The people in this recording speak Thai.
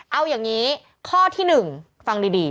เอาอย่างนี้ข้อที่๑ฟังดี